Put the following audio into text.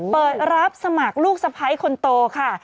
เปิดรับสมัครลูกสะพ้ายคนโตค่ะ